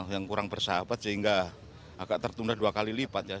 yang kurang bersahabat sehingga agak tertunda dua kali lipat ya